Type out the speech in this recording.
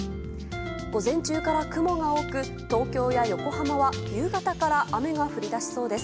午前中から雲が多く東京や横浜は夕方から雨が降り出しそうです。